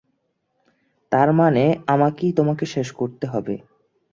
তারমানে আমাকেই তোমাকে শেষ করতে হবে।